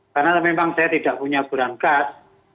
karena memang saya tidak punya berangkat